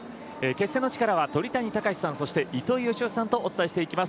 決戦の地からは鳥谷敬さん、糸井嘉男さんとお伝えしていきます。